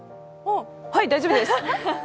はい、大丈夫です。